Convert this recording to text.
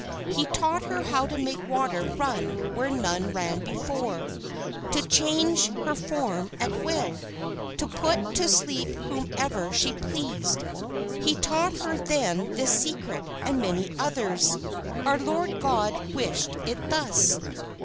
He taught her how to make water run where none ran before, to change her form at will, to put to sleep whomever she pleased. 'He taught her then this secret and many others: our Lord God wished it thus.'